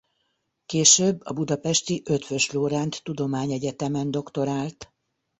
Később a budapesti Eötvös Loránd Tudományegyetemen doktorált.